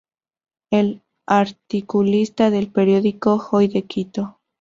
Es articulista del periódico Hoy de Quito.